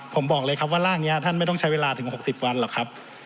ผมบอกเลยครับว่าร่างนี้ท่านไม่ต้องใช้เวลาถึง๖๐วันหรอกครับ